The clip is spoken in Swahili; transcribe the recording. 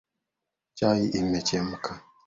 Chai imechemka